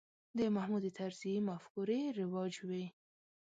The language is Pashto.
د محمود طرزي مفکورې رواج وې.